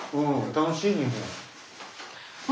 楽しい？日本。